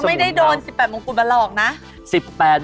ไม่ได้โดน๑๘มงกุฎมาหลอกนะ